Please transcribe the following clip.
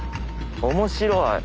面白い。